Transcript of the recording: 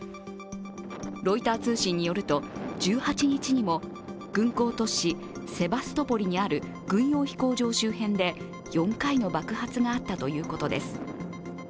ロイター通信によると１８日にも軍港都市セバストポリにある軍用飛行場周辺で４回の爆発があったということです。